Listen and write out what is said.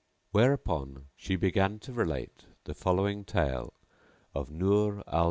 whereupon she began to relate the following tale of End of Vol.